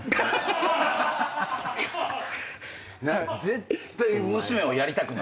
絶対娘をやりたくない。